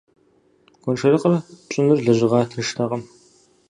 Гуэншэрыкъыр пщӀыныр лэжьыгъэ тынштэкъым.